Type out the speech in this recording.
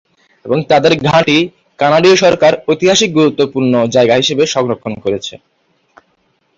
তাদের ঘাঁটি কানাডীয় সরকার ঐতিহাসিক গুরুত্বপূর্ণ জায়গা হিসেবে সংরক্ষণ করেছে।